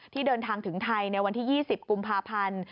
เดินทางถึงไทยในวันที่๒๐กุมภาพันธ์